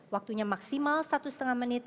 waktunya maksimal satu lima menit